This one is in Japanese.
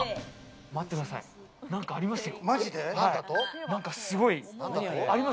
待ってください、何かありますよ。